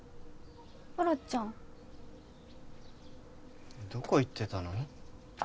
ころちゃんどこ行ってたの？